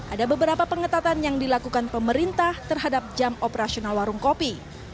ada beberapa pengetatan yang dilakukan pemerintah terhadap jam operasional warung kopi